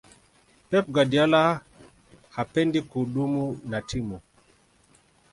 pep guardiola hapendi kudumu na timu